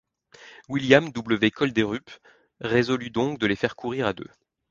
William W. Kolderup résolut donc de les faire courir à deux.